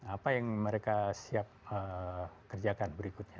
apa yang mereka siap kerjakan berikutnya